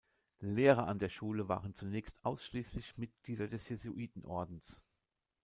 Lehrer an der Schule waren zunächst ausschließlich Mitglieder des Jesuitenordens.